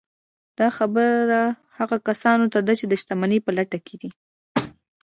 دا خبره هغو کسانو ته ده چې د شتمنۍ په لټه کې دي